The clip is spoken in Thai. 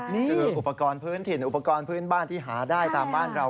นี่คืออุปกรณ์พื้นถิ่นอุปกรณ์พื้นบ้านที่หาได้ตามบ้านเรา